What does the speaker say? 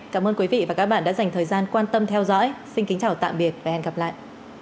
cảm ơn quý vị và các bạn đã dành thời gian quan tâm theo dõi xin kính chào tạm biệt và hẹn gặp lại